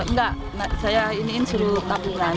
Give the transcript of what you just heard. enggak saya iniin seluruh tabungan